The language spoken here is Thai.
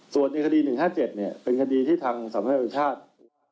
ส่วนในคดี๑๕๗เนี่ยเป็นคดีที่ทางสำหรับประชาชน์